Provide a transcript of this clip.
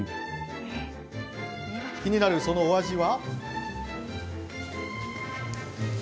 気になるそのお味は？